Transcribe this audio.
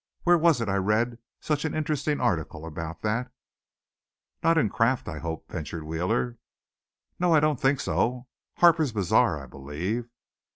Where was it I read such an interesting article about that?" "Not in Craft I hope?" ventured Wheeler. "No, I don't think so. Harper's Bazaar, I believe."